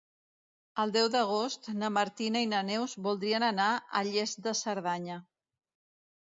El deu d'agost na Martina i na Neus voldrien anar a Lles de Cerdanya.